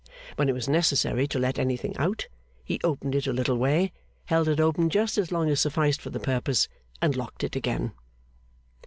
When it was necessary to let anything out, he opened it a little way, held it open just as long as sufficed for the purpose, and locked it again.